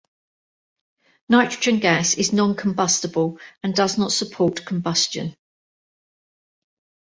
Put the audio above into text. Nitrogen gas is non-combustible and does not support combustion.